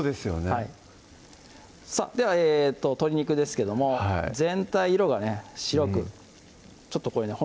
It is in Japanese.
はいではえっと鶏肉ですけども全体色がね白くちょっとこれね